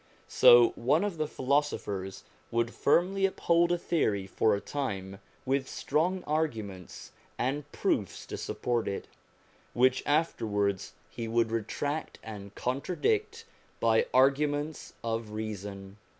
So, one of the philosophers would firmly up hold a theory for a time with strong arguments and proofs to support it, which afterwards he would retract and contradict by arguments of reason.